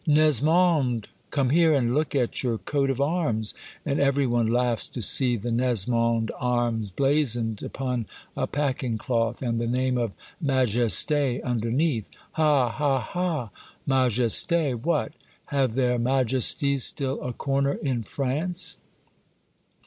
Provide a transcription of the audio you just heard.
" Nesmond ! come here and look at your coat of arms !" and every one laughs to see the Nesmond arms blazoned upon a packing cloth, and the name of Majeste underneath. " Ha, ha, ha !— Majeste! What ! have their Majesties still a corner in France